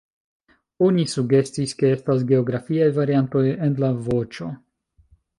Oni sugestis, ke estas geografiaj variantoj en la voĉo.